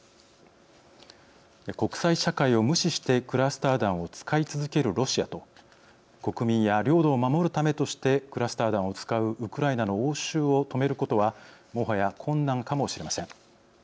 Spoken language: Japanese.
国際社会を無視してクラスター弾を使い続けるロシアと国民や領土を守るためとしてクラスター弾を使うウクライナの応酬を止めることはもはや困難かもしれません。